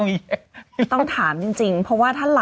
อ๋อมีเหตุผล